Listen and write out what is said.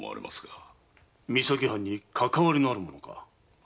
三崎藩にかかわりのある者か。